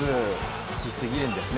好きすぎるんですね。